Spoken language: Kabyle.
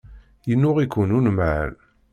Yennuɣ-iken unemhal.